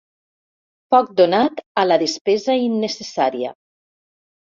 Poc donat a la despesa innecessària.